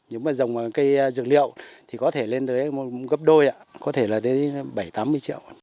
nếu mà dòng cây dược liệu thì có thể lên tới gấp đôi có thể là tới bảy tám mươi triệu